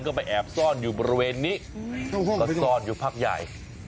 ก็ไปแอบซ่อนอยู่บริเวณนี้ก็ซ่อนอยู่พักใหญ่